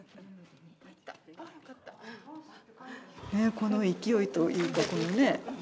この勢いというかこのね。